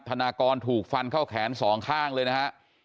ธนากรถูกฟันเข้าแขนสองข้างเลยนะฮะ